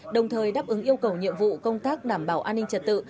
đồng thời đáp ứng yêu cầu nhiệm vụ công tác đảm bảo an ninh trật tự